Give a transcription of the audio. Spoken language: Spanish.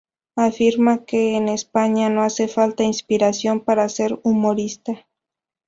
Afirmaba que en España no hace falta inspiración para ser humorista.